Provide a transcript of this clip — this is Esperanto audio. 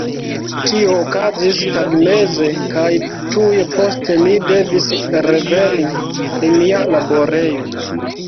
Tio okazis tagmeze, kaj tuj poste mi devis reveni al mia laborejo.